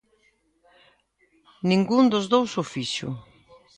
Ningún dos dous o fixo.